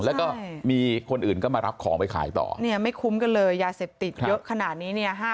แล้วก็มีคนอื่นก็มารับของไปขายต่อเนี่ยไม่คุ้มกันเลยยาเสพติดเยอะขนาดนี้เนี่ย